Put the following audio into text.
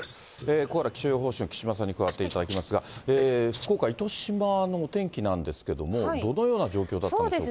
ここからは、気象予報士の木島さんに伺っていきますが、福岡・糸島のお天気なんですけれども、どのような状況だったんでしょうか。